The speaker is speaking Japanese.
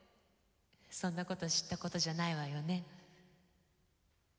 そんなこと知ったことじゃないわよね。